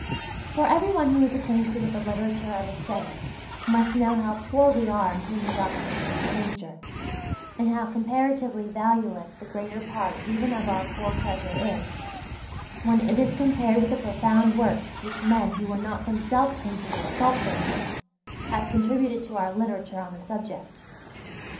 For everyone who is acquainted with the literature of Aesthetic, must know how poor we are in human documents of this nature, and how comparatively valueless the greater part even of our poor treasure is, when it is compared with the profound works which men who were not themselves painters or sculptors, have contributed to our literature on the subject.